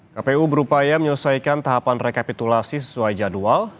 kpu berupaya menyelesaikan tahapan rekapitulasi sesuai jadwal